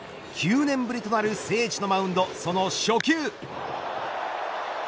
９年ぶりとなる聖地のマウンドその初球。